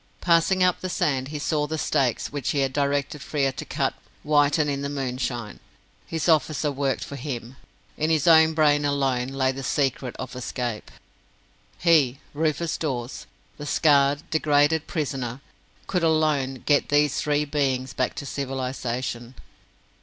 Passing up the sand, he saw the stakes which he had directed Frere to cut whiten in the moonshine. His officer worked for him! In his own brain alone lay the secret of escape! He Rufus Dawes the scarred, degraded "prisoner", could alone get these three beings back to civilization.